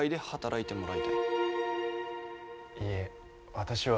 いいえ私は。